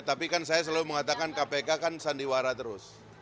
tapi kan saya selalu mengatakan kpk kan sandiwara terus